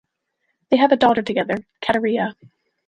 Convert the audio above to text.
They have a daughter together, Katiria.